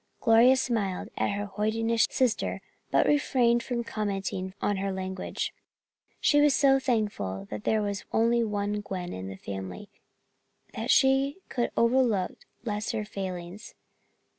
Gloria smiled at her hoidenish sister but refrained from commenting on her language. She was so thankful that there was only one Gwen in the family that she could overlook lesser failings.